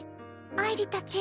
あいりたち